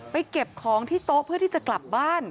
เก็บของที่โต๊ะเพื่อที่จะกลับบ้าน